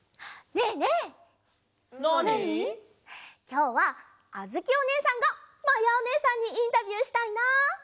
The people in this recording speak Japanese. きょうはあづきおねえさんがまやおねえさんにインタビューしたいな！